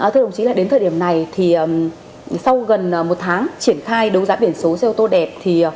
thưa đồng chí đến thời điểm này sau gần một tháng triển khai đấu giá biển số xe ô tô đẹp